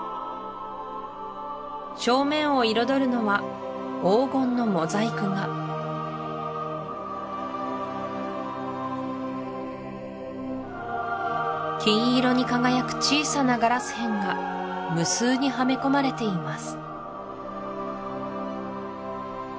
正面を彩るのは黄金のモザイク画金色に輝く小さなガラス片が無数にはめ込まれています